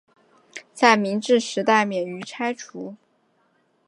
在明治时代免于拆除。